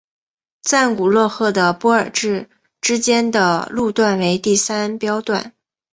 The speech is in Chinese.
赞古勒赫的波尔至之间的路段为第三标段。